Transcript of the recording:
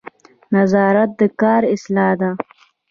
نظارت د کار اصلاح ده